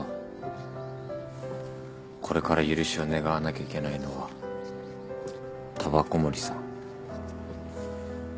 これから許しを願わなきゃいけないのは煙草森さん。